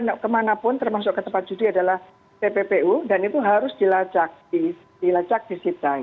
itu kalau kemana pun termasuk ke tempat judi adalah pppu dan itu harus dilacak di sitai